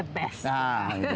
maunya yang the best